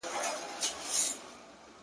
تر اټکه د هلیمند څپې رسیږي٫